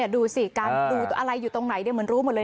ดูสิการดูอะไรอยู่ตรงไหนมันรู้หมดเลย